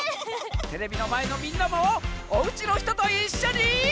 テレビのまえのみんなもおうちのひとといっしょに。